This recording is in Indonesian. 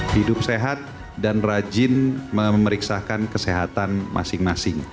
hidup sehat dan rajin memeriksakan kesehatan masing masing